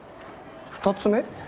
２つ目？